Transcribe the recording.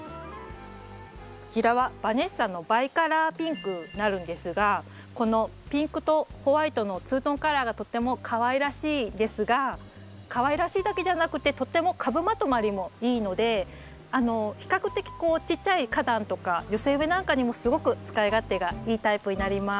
こちらはバネッサのバイカラーピンクになるんですがこのピンクとホワイトのツートンカラーがとってもかわいらしいですがかわいらしいだけじゃなくてとても株まとまりもいいので比較的ちっちゃい花壇とか寄せ植えなんかにもすごく使い勝手がいいタイプになります。